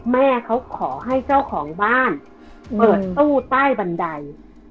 แม่เขาขอให้เจ้าของบ้านเปิดตู้ใต้บันได